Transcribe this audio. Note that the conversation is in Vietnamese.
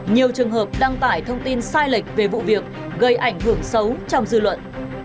nhiều trường hợp đăng tải thông tin sai lệch về vụ việc gây ảnh hưởng xấu trong dư luận